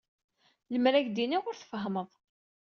Lemmer ad ak-iniɣ, ur tfehhmeḍ.